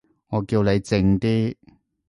我叫你靜啲